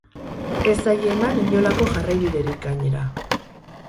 Ez zaie eman inolako jarraibiderik, gainera.